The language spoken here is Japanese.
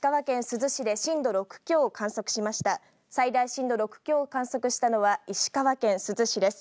震度６強を観測したのは石川県珠洲市です。